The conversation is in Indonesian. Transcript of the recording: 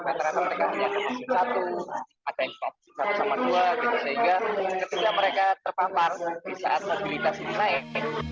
rata rata mereka hanya ada pasien satu ada yang satu sama dua sehingga ketika mereka terpampar di saat stabilitas ini naik